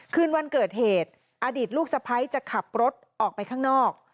คืนวันเกิดเหตุอดีตลูกสะพ้ายจะขับรถออกไปข้างนอก